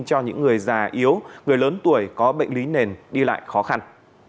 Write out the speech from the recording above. cho những người già yếu người lớn tuổi có bệnh lý nền đi lại khó khăn